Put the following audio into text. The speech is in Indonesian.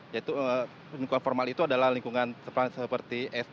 yaitu lingkungan formal itu adalah lingkungan seperti